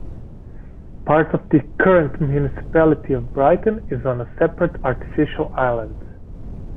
Part of the current Municipality of Brighton is on a separate artificial island.